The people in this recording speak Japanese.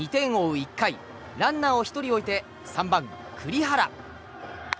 １回ランナーを１人置いて３番、栗原。